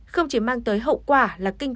không chỉ mang tới hậu quả là kinh tế